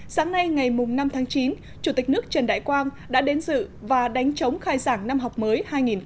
sáng nay ngày năm chín chủ tịch nước trần đại quang đã đến dự và đánh chống khai giảng năm học mới hai nghìn một mươi bảy hai nghìn một mươi tám